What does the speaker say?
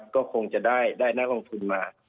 ก็คงจะได้นักลงทุนมา